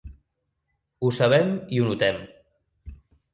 Ho sabem i ho notem.